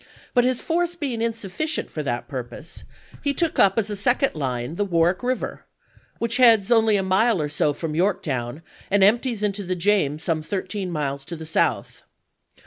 But his force being insufficient for that purpose, he took up as a second line the Warwick River, which heads only a mile or so from York town and empties into the James some thirteen miles to the south.